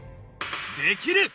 できる！